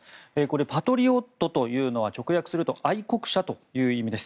パトリオットというのは直訳すると愛国者という意味です。